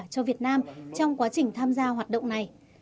cho việt nam trong quá trình tham gia hoạt động này